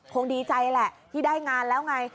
คงดีใจแหละที่ได้งานแล้วไง